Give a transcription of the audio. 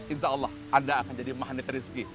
insya allah anda akan jadi magnet rizki